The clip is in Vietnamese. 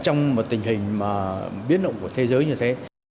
trong tình hình biến động của thế giới như thế